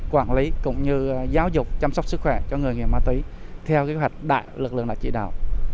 quản lý cũng như giáo dục chăm sóc sức khỏe cho người nghiện ma túy theo kế hoạch đại lực lượng đã chỉ đạo